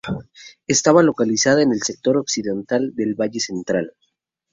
Estaba localizada en el sector occidental del Valle Central.